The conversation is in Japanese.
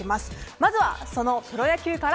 まずは、そのプロ野球から。